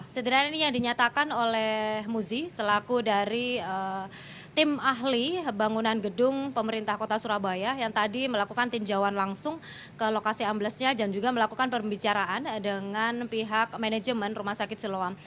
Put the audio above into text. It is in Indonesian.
sederhana ini yang dinyatakan oleh muzi selaku dari tim ahli bangunan gedung pemerintah kota surabaya yang tadi melakukan tinjauan langsung ke lokasi amblesnya dan juga melakukan pembicaraan dengan pihak manajemen rumah sakit siloam